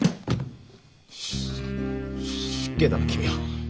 し失敬だな君は。